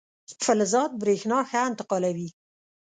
فلزات برېښنا ښه انتقالوي.